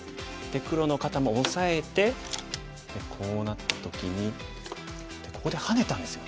黒の方もオサえてこうなった時にここでハネたんですよ。